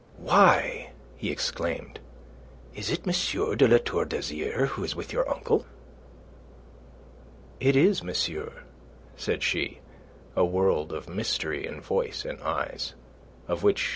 "Why!" he exclaimed. "Is it M. de La Tour d'Azyr who is with your uncle?" "It is, monsieur," said she, a world of mystery in voice and eyes, of which M.